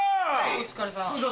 お疲れさん。